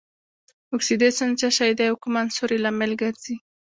اکسیدیشن څه شی دی او کوم عنصر یې لامل ګرځي؟